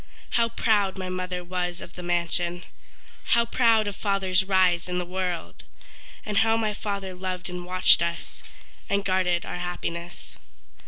How proud my mother was of the mansion How proud of father's rise in the world! And how my father loved and watched us, And guarded our happiness.